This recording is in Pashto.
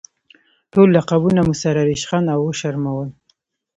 ټول لقبونه مو سره ریشخند او وشرمول.